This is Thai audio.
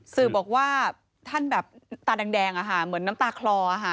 สื่อบอกว่าท่านแบบตาแดงเหมือนน้ำตาคลอ